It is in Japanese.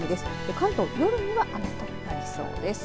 関東、夜には雨となりそうです。